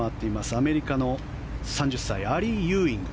アメリカの３０歳アリー・ユーイング。